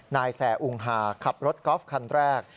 นายแส่อุงฮาขับรถกอล์ฟคันแรก